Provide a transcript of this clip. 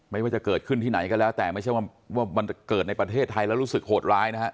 ไม่ว่าจะเกิดขึ้นที่ไหนก็แล้วแต่ไม่ใช่ว่ามันเกิดในประเทศไทยแล้วรู้สึกโหดร้ายนะฮะ